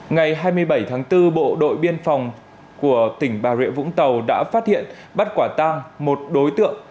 ngày hai mươi bảy tháng bốn bộ đội biên phòng của tỉnh bà rịa vũng tàu đã phát hiện bắt quả tang một đối tượng